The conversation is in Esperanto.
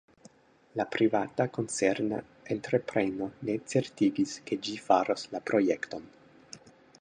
La privata koncerna entrepreno ne certigis, ke ĝi faros la projekton.